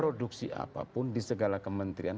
produksi apapun di segala kementerian